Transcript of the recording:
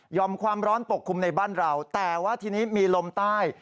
อมความร้อนปกคลุมในบ้านเราแต่ว่าทีนี้มีลมใต้